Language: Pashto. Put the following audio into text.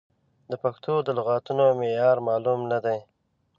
د پښتو د لغتونو معیار معلوم نه دی.